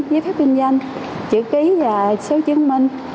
giấy phép kinh doanh chữ ký và số chứng minh